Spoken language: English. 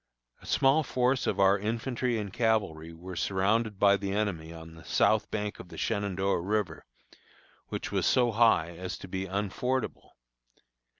A small force of our infantry and cavalry were surrounded by the enemy on the south bank of the Shenandoah River, which was so high as to be unfordable.